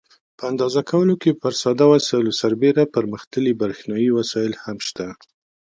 په اندازه کولو کې پر ساده وسایلو سربیره پرمختللي برېښنایي وسایل هم شته.